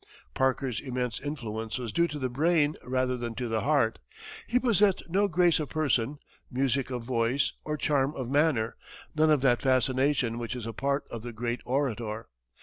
Parker's immense influence was due to the brain rather than to the heart. He possessed no grace of person, music of voice, or charm of manner, none of that fascination which is a part of the great orator.